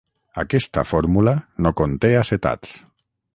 Aquesta fórmula no conté acetats.